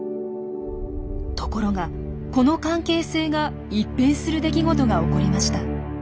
ところがこの関係性が一変する出来事が起こりました。